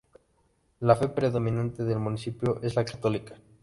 La fe predominante del municipio es la católica.